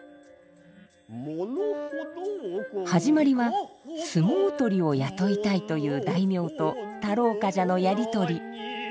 始まりは相撲取りを雇いたいという大名と太郎冠者のやり取り。